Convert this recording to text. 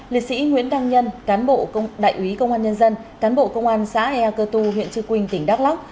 liệt sĩ nguyễn đăng nhân cán bộ đại úy công an nhân dân cán bộ công an xã ea cơ tu huyện trư quynh tỉnh đắk lắc